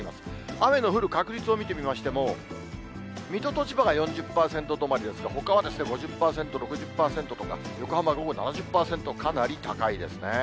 雨の降る確率を見てみましても、水戸と千葉が４０％止まりですが、ほかは５０％、６０％となって、横浜、午後７０％、かなり高いですね。